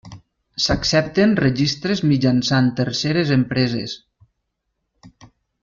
S'accepten registres mitjançant terceres empreses.